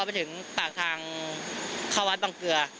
ไปถึงปากทางเข้าวัดบังเกลือ